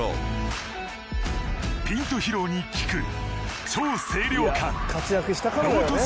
ピント疲労に効く超清涼感。